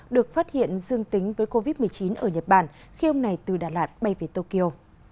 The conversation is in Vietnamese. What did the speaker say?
được phát hiện dương tính với covid một mươi chín ở nhật bản khi ông này từ đà lạt bay về tokyo